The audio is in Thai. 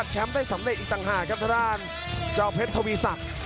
เจ้าเพชรทวีสัตว์